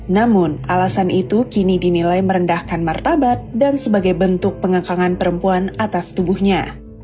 namun alasan itu kini dinilai merendahkan martabat dan sebagai bentuk pengekangan perempuan atas tubuhnya